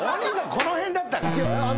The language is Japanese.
この辺だったか。